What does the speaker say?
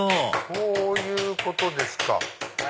そういうことですか。